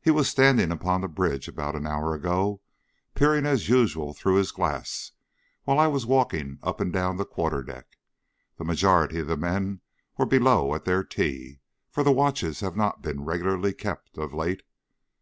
He was standing upon the bridge about an hour ago, peering as usual through his glass, while I was walking up and down the quarterdeck. The majority of the men were below at their tea, for the watches have not been regularly kept of late.